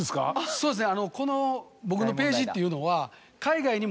そうですね。